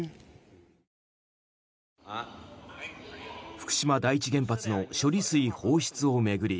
福島第一原発の処理水放出を巡り